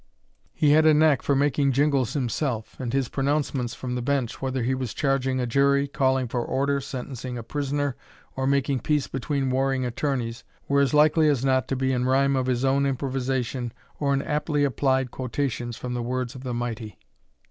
He had a knack for making jingles himself, and his pronouncements from the bench, whether he was charging a jury, calling for order, sentencing a prisoner, or making peace between warring attorneys, were as likely as not to be in rhyme of his own improvisation or in aptly applied quotations from the words of the mighty.